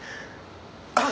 あっ！